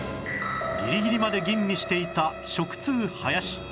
ギリギリまで吟味していた食通・林